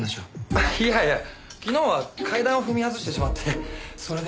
いやいや昨日は階段を踏み外してしまってそれで。